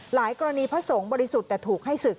กรณีพระสงฆ์บริสุทธิ์แต่ถูกให้ศึก